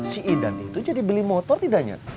si idan itu jadi beli motor tidaknya